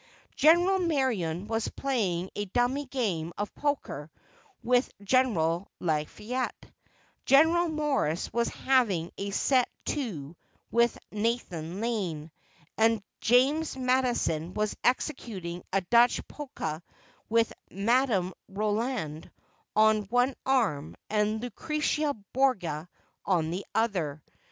General Marion was playing a dummy game of poker with General Lafayette; Governor Morris was having a set to with Nathan Lane, and James Madison was executing a Dutch polka with Madam Roland on one arm and Lucretia Borgia on the other.